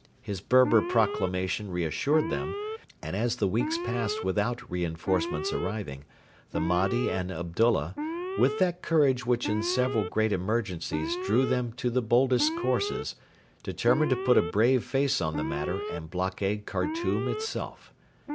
His Berber proclamation reassured them, and as the weeks passed without reinforcements arriving, the Mahdi and Abdullah, with that courage which in several great emergencies drew them to the boldest courses, determined to put a brave face on the matter and blockade Khartoum itself.